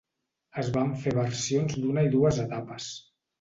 Es van fer versions d'una i dues etapes.